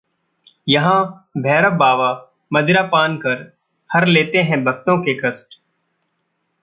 यहां भैरव बाबा मदिरा पान कर हर लेते हैं भक्तों के कष्ट